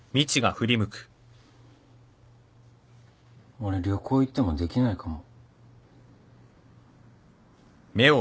俺旅行行ってもできないかも。